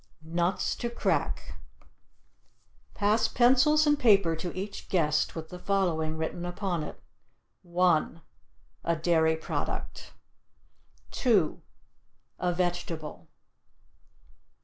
NUTS TO CRACK Pass pencils and paper to each guest with the following written upon it: 1 (A Dairy product.) 2 (A Vegetable.)